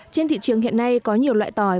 trên thị trường hiện nay có nhiều loại tỏi